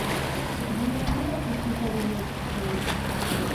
Wira wira kuchita wiñachishkani